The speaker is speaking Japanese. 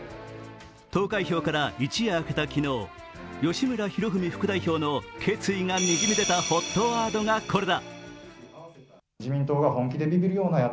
投開票から一夜明けた昨日、吉村洋文副代表の決意がにじみ出たＨＯＴワードが、これだ。